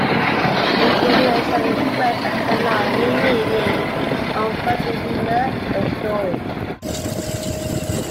In English and in French a canard may mean an unfounded rumor or story.